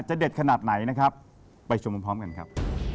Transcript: เด็ดขนาดไหนนะครับไปชมพร้อมกันครับ